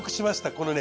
このね